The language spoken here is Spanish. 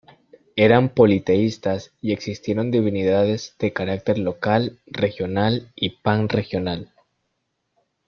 Eran politeístas y existieron divinidades de carácter local, regional y pan-regional.